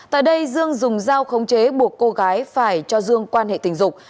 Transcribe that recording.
tại đây dương dùng dao khống chế buộc cô gái phải cho dương quan hệ tình dục